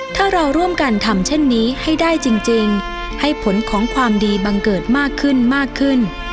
ถ้าเราร่วมกันทำเช่นนี้ให้ได้จริงให้ผลของความดีบังเกิดมากขึ้นมากขึ้น